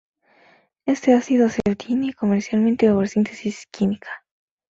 Este ácido se obtiene comercialmente por síntesis química.